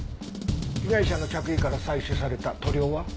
被害者の着衣から採取された塗料は？